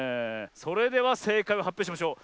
それではせいかいをはっぴょうしましょう。